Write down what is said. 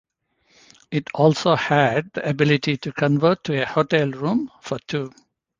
It also had the ability to convert to a "hotel room" for two.